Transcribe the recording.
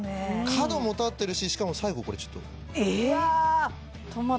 角も立ってるししかも最後これちょっとええ？